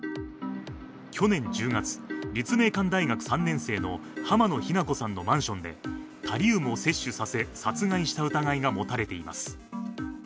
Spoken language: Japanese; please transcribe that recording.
去年１０月、立命館大学３年生の濱野日菜子さんのマンションでタリウムを摂取させ殺害した疑いが持たれています。